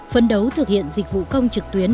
phấn đấu thực hiện dịch vụ công trực tuyến